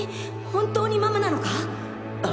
本当にママなのか？